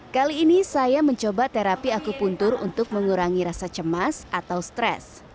kali ini saya mencoba terapi akupuntur untuk mengurangi rasa cemas atau stres